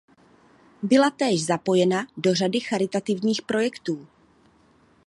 Byla též zapojena do řady charitativních projektů.